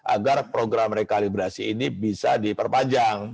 agar program rekalibrasi ini bisa diperpanjang